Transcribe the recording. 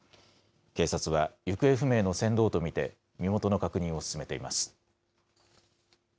警察は行方不明の船頭と見て見元の確認を進めています。